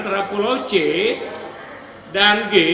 antara pulau c dan g